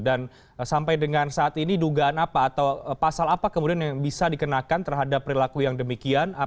dan sampai dengan saat ini dugaan apa atau pasal apa kemudian yang bisa dikenakan terhadap perilaku yang demikian